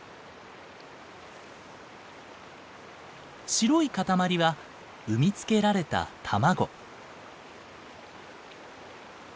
白い塊は産み付けられた卵。